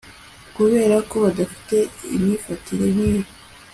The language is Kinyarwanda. kuberako badafite imyifatire nkiyi